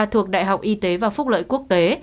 thuộc đại học y tế và phúc lợi quốc tế